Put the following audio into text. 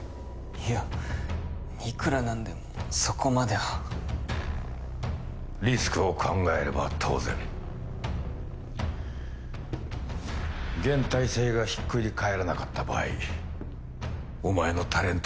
いやいくら何でもそこまではリスクを考えれば当然現体制がひっくり返らなかった場合お前のタレント